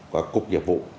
và cục nhiệm vụ